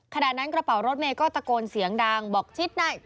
ขณะนั้นกระเป๋ารถเมย์ก็ตะโกนเสียงดังบอกชิดหน่อย